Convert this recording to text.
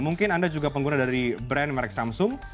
mungkin anda juga pengguna dari brand merek samsung